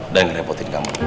dan ngerepotin kamu